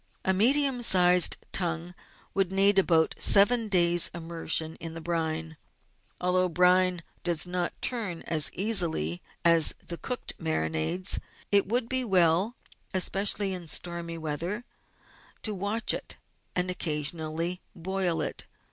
A medium sized tongue would need about seven days' immersion in the brine. Though brine does not turn as easily as the cooked marinades, it would be well, especially in stormy weather, to watch it and occasionally to boil it.